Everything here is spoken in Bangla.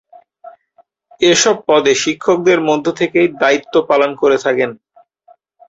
এসব পদে শিক্ষকদের মধ্য থেকেই দায়িত্ব পালন করে থাকেন।